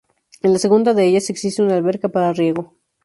En la segunda de ellas existe una alberca para riego.